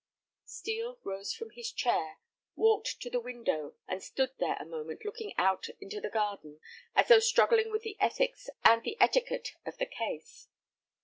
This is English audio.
Steel rose from his chair, walked to the window, and stood there a moment looking out into the garden, as though struggling with the ethics and the etiquette of the case.